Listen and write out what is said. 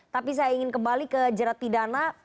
tapi saya ingin kembali ke jerat pidana